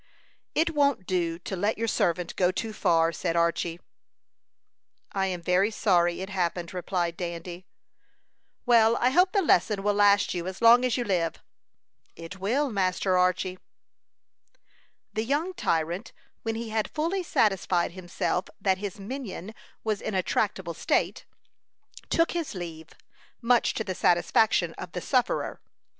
"It won't do to let your servant go too far," said Archy. "I am very sorry it happened," replied Dandy. "Well, I hope the lesson will last you as long as you live." "It will, Master Archy." The young tyrant, when he had fully satisfied himself that his minion was in a tractable state, took his leave, much to the satisfaction of the sufferer.